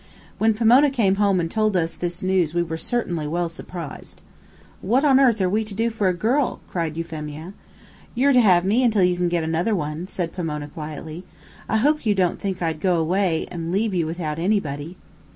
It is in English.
When Pomona came home and told us this news we were certainly well surprised. "What on earth are we to do for a girl?" cried Euphemia. "You're to have me till you can get another one," said Pomona quietly. "I hope you don't think I'd go 'way, and leave you without anybody."